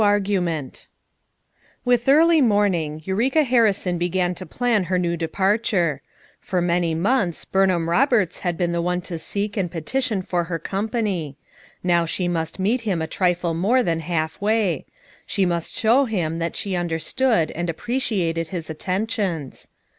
CHAPTEE Xm With early morning Eureka Harrison be gan to plan her new departure; for many months Burnbam Eoberts had been the one to seek and petition for her company; now she must meet him a trifle more than half way; she must show him that she understood and appreciated his attentions.